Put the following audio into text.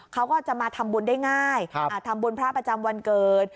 เขาก็จะมาทำบุญได้ง่ายทำบุญพระประจำวันเกิด